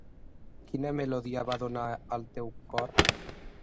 Quina melodia va sonar al seu cor?